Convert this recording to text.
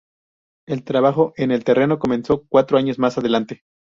El trabajo en el terreno comenzó cuatro años más adelante.